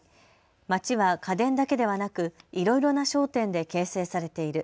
街は家電だけではなくいろいろな商店で形成されている。